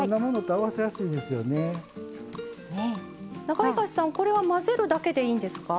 中東さんこれは混ぜるだけでいいんですか？